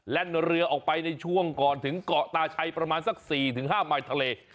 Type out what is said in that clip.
และเรือออกไปในช่วงก่อนถึงเกาะตาชัยประมาณสักสี่ถึงห้าไมล์ทะเล